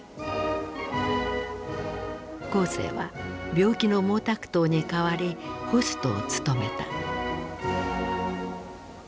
江青は病気の毛沢東に代わりホストを務めた。